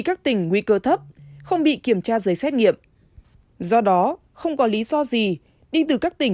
các tỉnh nguy cơ thấp không bị kiểm tra giấy xét nghiệm do đó không có lý do gì đi từ các tỉnh